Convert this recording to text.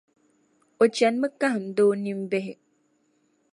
O chanimi kahind’ o nimbihi.